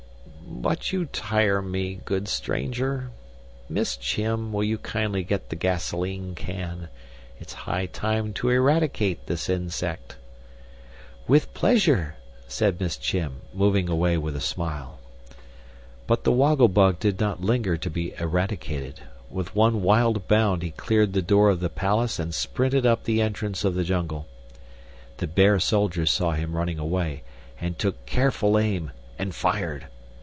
"But you tire me, good stranger. Miss Chim, will you kindly get the gasoline can? It's high time to eradicate this insect." "With pleasure," said Miss Chim, moving away with a smile. But the Woggle Bug did not linger to be eradicated. With one wild bound he cleared the door of the palace and sprinted up the entrance of the Jungle. The bear soldiers saw him running away, and took careful aim and fired.